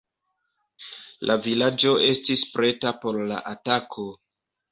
La vilaĝo estis preta por la atako.